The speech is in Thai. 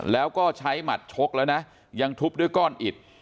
แล้วก็ใช้หมัดชกแล้วนะยังทุบด้วยก้อนอิด